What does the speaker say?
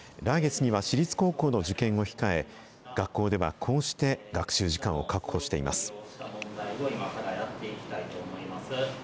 来月には私立高校の受験を控え、学校ではこうして学習時間を確保しています。